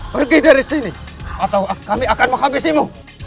pergi dari sini atau kami akan menghabisimu